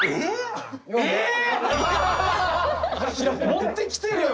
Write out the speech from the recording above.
持ってきてるよ！